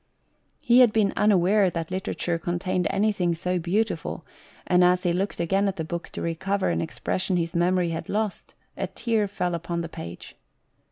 He had been unaware that literature contained anything so beautiful, and as he looked again at the book to recover an expres sion his memory had lost, a tear fell upon the page.